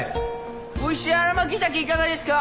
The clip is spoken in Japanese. おいしい新巻鮭いかがですか！